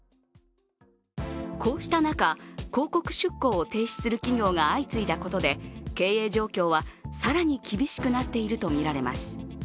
こうした中、広告出稿を停止する企業が相次いだことで経営状況は更に厳しくなっているとみられます。